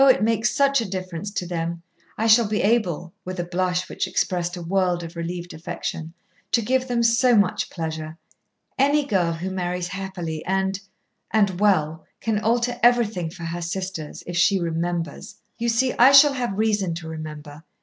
it makes such a difference to them. I shall be able," with a blush which expressed a world of relieved affection, "to give them so much pleasure. Any girl who marries happily and and well can alter everything for her sisters, if she remembers. You see, I shall have reason to remember.